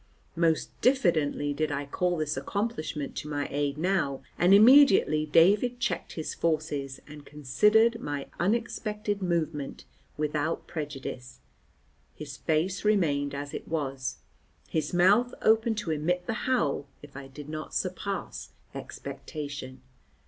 Most diffidently did I call this accomplishment to my aid now, and immediately David checked his forces and considered my unexpected movement without prejudice. His face remained as it was, his mouth open to emit the howl if I did not surpass expectation.